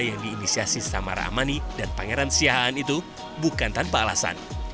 yang diinisiasi samara amani dan pangeran siahaan itu bukan tanpa alasan